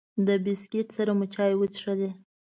د بسکوټ سره مو چای وڅښلې.